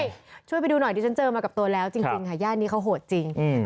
ใช่ช่วยไปดูหน่อยดิฉันเจอมากับตัวแล้วจริงค่ะย่านนี้เขาโหดจริง